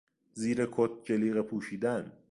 زیر کت جلیقه پوشیدن